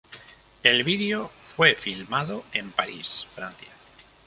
El vídeo fue filmado en París, Francia.